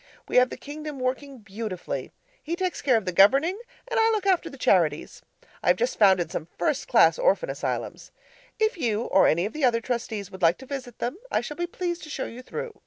We have the kingdom working beautifully. He takes care of the governing, and I look after the charities. I have just founded some first class orphan asylums. If you or any of the other Trustees would like to visit them, I shall be pleased to show you through.